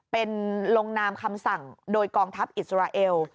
เป็นลงนามคำสั่งโดยกองทัพอิสราเอล